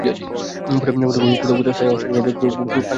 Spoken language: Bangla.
ফলে কোথাও কোথাও অস্থায়ী বাঁধ দিয়ে পানির গতিপথ পরিবর্তন করা হতে পারে।